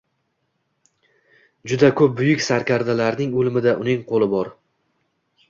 Juda ko’p buyuk sarkardalarning o’limida uning qo’li bor…